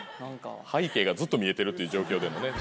背景がずっと見えてるっていう状況でのね。